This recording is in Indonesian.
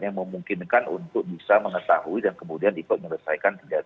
yang memungkinkan untuk bisa mengetahui dan kemudian dipenyelesaikan